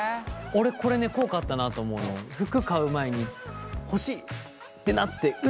俺これね効果あったなと思うの服買う前に欲しいってなってウッてなるじゃん。